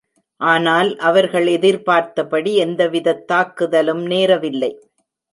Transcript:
ஆனால் அவர்கள் எதிர்பார்த்தபடி எந்தவிதத் தாக்குதலும் நேரவில்லை.